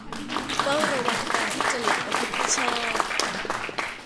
เฝ้าระวังการทุจริตประพฤติมิชอบ